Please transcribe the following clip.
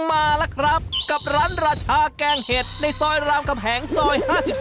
มาแล้วครับกับร้านราชาแกงเห็ดในซอยรามกำแหงซอย๕๒